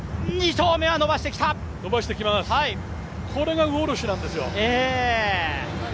これがウォルシュなんですよ。